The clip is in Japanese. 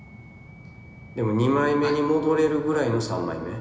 でも２枚目に戻れるぐらいの３枚目。